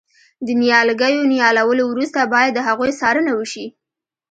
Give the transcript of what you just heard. د نیالګیو نیالولو وروسته باید د هغوی څارنه وشي.